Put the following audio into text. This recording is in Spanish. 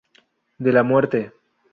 De la muerte.